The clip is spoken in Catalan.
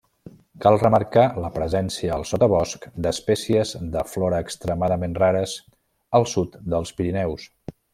Cal remarcar la presència al sotabosc d'espècies de flora extremadament rares al sud dels Pirineus.